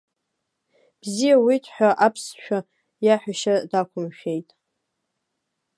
Бзиа ууит ҳәа аԥсшәа иаҳәашьа дақәымшәеит.